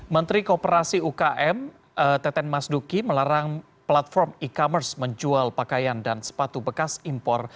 menteri kooperasi ukm teten mas duki melarang platform e commerce menjual pakaian dan sepatu bekas impor